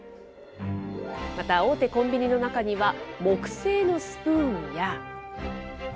また、大手コンビニの中には木製のスプーンや。